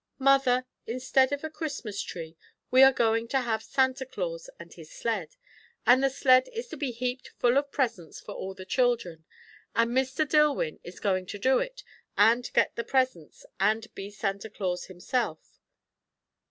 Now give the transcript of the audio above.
"Mother, instead of a Christmas tree, we are going to have Santa Claus and his sled; and the sled is to be heaped full of presents for all the children; and Mr. Dillwyn is going to do it, and get the presents, and be Santa Claus himself."